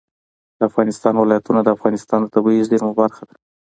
د افغانستان ولايتونه د افغانستان د طبیعي زیرمو برخه ده.